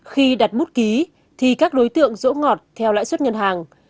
khi đặt bút ký thì các đối tượng rỗ ngọt theo lãi suất ngân hàng